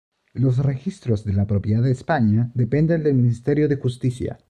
Los Registros de la Propiedad de España dependen del Ministerio de Justicia.